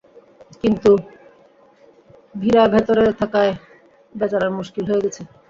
কিন্তু ভীরা ভেতরে থাকায় বেচারার মুশকিল হয়ে গেছে।